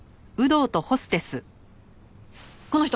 この人。